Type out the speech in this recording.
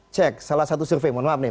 cek salah satu survei mohon maaf nih